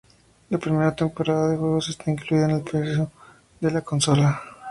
La primera temporada de juegos está incluida en el precio de la consola.